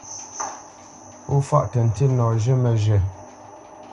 Pó fâʼ tə́ ntí nɔ zhə́ məzhə̂.